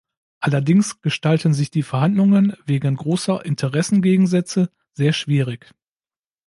Allerdings gestalten sich die Verhandlungen wegen großer Interessengegensätze sehr schwierig.